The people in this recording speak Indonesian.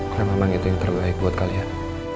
karena mama itu yang terbaik buat kalian